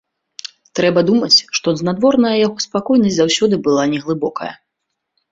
Трэба думаць, што знадворная яго спакойнасць заўсёды была не глыбокая.